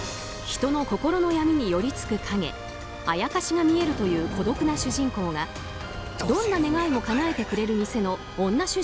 人の心の闇に寄り付く影アヤカシが見えるという孤独な主人公がどんな願いもかなえてくれるミセの女